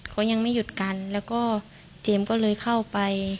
เขายังไม่หยุดกันแล้วก็เจมส์ก็เลยเข้าไป